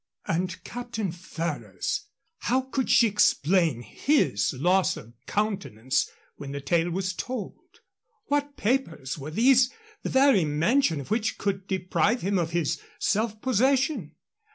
And Captain Ferrers! How could she explain his loss of countenance when the tale was told? What papers were these the very mention of which could deprive him of his self possession?